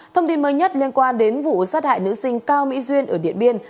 thông tin mới nhất liên quan đến vụ sát hại nữ sinh cao mỹ duyên ở điện biên